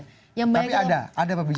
tapi ada ada pembicaraan pilpres